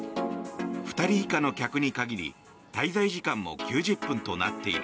２人以下の客に限り滞在時間も９０分となっている。